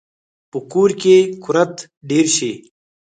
په کور کې کورت ډیر شي